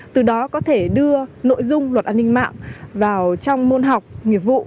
từ đó có thể đưa nội dung luật an ninh mạng vào trong môn học nghiệp vụ